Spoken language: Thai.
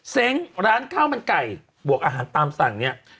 ร้านข้าวมันไก่บวกอาหารตามสั่งเนี่ย